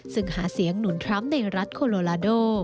ซึ่งหาเสียงหนุนทรัมป์ในรัฐโคโลลาโด